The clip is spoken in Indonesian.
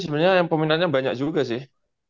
sebenarnya yang peminatnya banyak juga sih